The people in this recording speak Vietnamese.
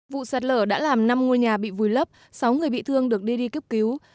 vụ sạt lở đã làm năm ngôi nhà bị vùi lấp sáu người bị thương được đưa đi đi cấp cứu